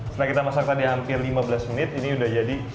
setelah kita masak tadi hampir lima belas menit ini sudah jadi